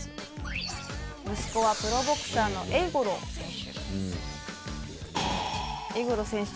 息子はプロボクサーの英五郎選手。